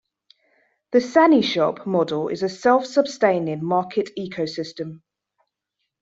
The SaniShop model is a self-sustaining market ecosystem.